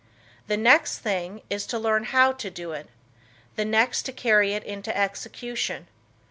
The next thing is to learn how to do it; the next to carry it into execution.